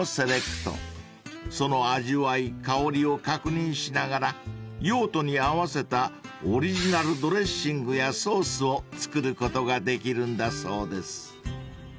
［その味わい香りを確認しながら用途に合わせたオリジナルドレッシングやソースを作ることができるんだそうです］